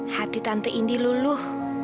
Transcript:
hati tante indi luluh